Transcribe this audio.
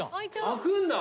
開くんだ。